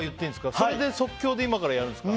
それで即興で今からやるんですか？